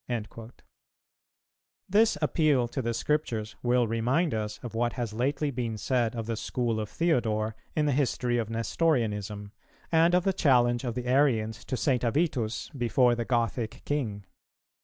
"[304:1] This appeal to the Scriptures will remind us of what has lately been said of the school of Theodore in the history of Nestorianism, and of the challenge of the Arians to St. Avitus before the Gothic King.